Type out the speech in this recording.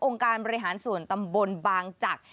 การบริหารส่วนตำบลบางจักร